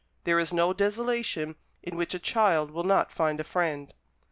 There is no desolation in which a child will not find a friend.